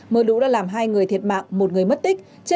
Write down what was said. mưa lũ đã làm hai người thiệt mạng một người mất tích